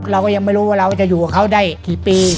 เราก็ยังไม่รู้ว่าเราจะอยู่กับเขาได้กี่ปี